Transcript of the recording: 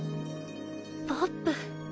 ポップ。